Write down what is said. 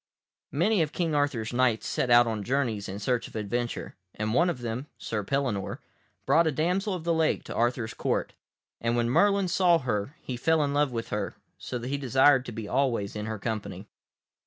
Many of King Arthur's Knights set out on journeys in search of adventure, and one of them, Sir Pellinore, brought a damsel of the lake to Arthur's Court, and when Merlin saw her he fell in love with her, so that he desired to be always in her company.